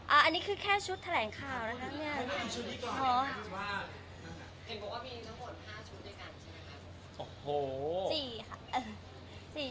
อันนี้คือแค่ชุดแถลงข่าวนะครับ